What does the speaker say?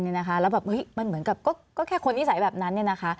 แล้วแบบมันเหมือนกับก็แค่คนนิสัยแบบนั้น